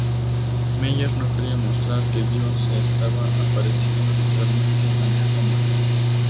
Meyer no quería mostrar que Dios se estaba apareciendo literalmente ante Homer.